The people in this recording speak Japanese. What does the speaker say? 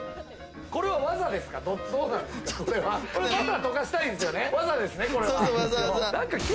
これは技ですか？